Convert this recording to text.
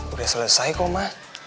udah selesai kok ma